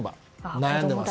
悩んでいます。